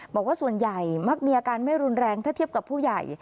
บอกว่าส่วนใหญ่มักมีอาการไม่รุนแรงถ้าเทียบกับผู้ใหญ่